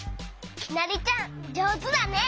きなりちゃんじょうずだね！